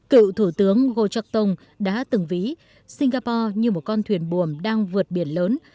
cựu thủ tướng goh chak tong đã từng vĩ singapore như một con thuyền buồm đang vượt biển lớn